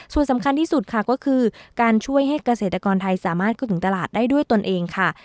ส่วนสำคัญที่สุดค่ะก็คือการช่วยให้เกษตรกรไทยสามารถพูดถึงตลาดได้ด้วยตนเองค่ะ